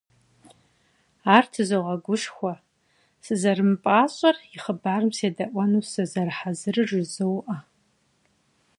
Ар тызогъэгушхуэ, сызэрымыпӀащӀэр, и хъыбарым седэӀуэну сызэрыхьэзырыр жызоӀэ.